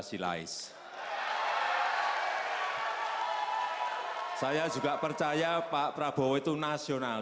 saya melahirkan malu membawa punya